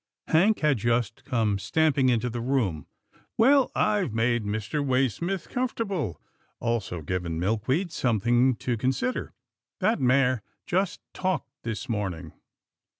Hank had just come stamping into the room, " Well, I've made Mr. Waysmith comfortable, also given Milkweed something to consider. That mare just talked this morning.